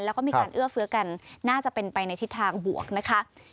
แล้วก็มีการเอื้อเฟื้อกันน่าจะเป็นไปในทิศทางบวกนะคะ